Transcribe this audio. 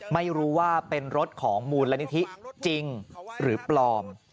ไม่รู้ว่าเป็นรถของมูลนิธิจริงหรือปลอม